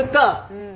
うん。